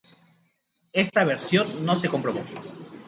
Está versión no se comprobó.